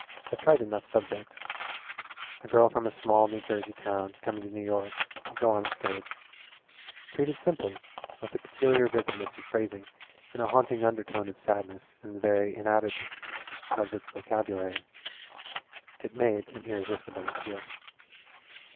A trite enough subject a girl from a small New Jersey town coming to New York to go on the stage treated simply, with a peculiar vividness of phrasing and a haunting undertone of sadness in the very inadequacy of its vocabulary, it made an irresistible appeal.